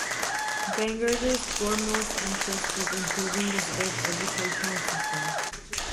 Bangerter's "foremost interest was improving the state's educational system".